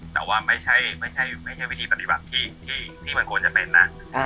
แต่ว่าไม่ใช่วิธีปฏิบัติที่มันควรจะเป็นนะ